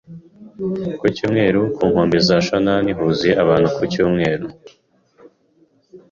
Ku cyumweru, ku nkombe za Shonan huzuye abantu ku cyumweru.